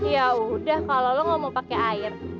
ya udah kalo lo gak mau pake air